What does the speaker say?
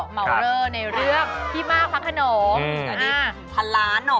หม่อเลอร์ในเรื่องพี่มาครับขนมอื้อนี่พันล้านเนอะ